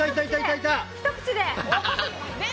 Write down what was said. ひと口で！